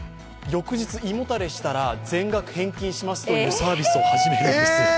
翌日、胃もたれしたら全額返金しますというサービスを始めるんです。